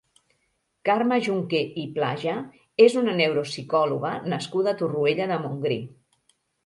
Carme Junqué i Plaja és una neuropsicòloga nascuda a Torroella de Montgrí.